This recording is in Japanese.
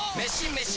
メシ！